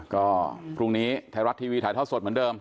ก็พรุ่งนี้ไทยรัฐทีวีถ่ายทอดสดเหมือนเดิม